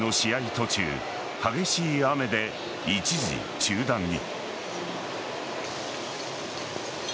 途中激しい雨で一時中断に。